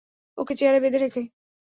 ওকে চেয়ারে বেঁধে রেখে?